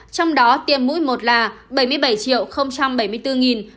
trong đó tiêm mũi một là bảy mươi bảy bảy mươi bốn sáu trăm hai mươi bảy liều